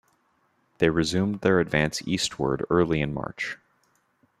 They resumed their advance eastward early in March.